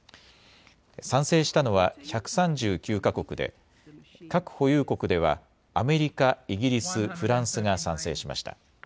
賛成したのは１３９か国で核保有国ではアメリカ、イギリス、フランスが賛成しました。